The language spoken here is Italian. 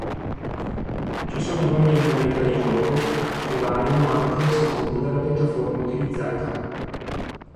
Ci sono varie modalità di gioco, che variano anche a seconda della piattaforma utilizzata.